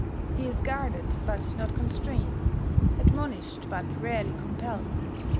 He is guarded, but not constrained; admonished, but rarely compelled.